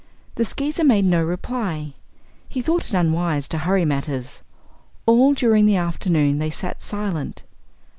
The Skeezer made no reply. He thought it unwise to hurry matters. All during the afternoon they sat silent.